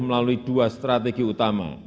melalui dua strategi utama